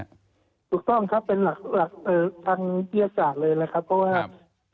ถูกต้องครับเป็นหลักเอ่อทางที่จากเลยแหละครับเป็นการ